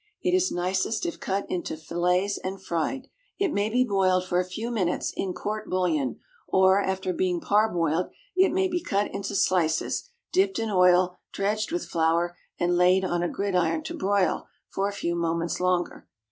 It is nicest if cut into fillets and fried. It may be boiled for a few minutes in "court bouillon," or, after being par boiled, it may be cut into slices, dipped in oil, dredged with flour, and laid on a gridiron to broil for a few moments longer.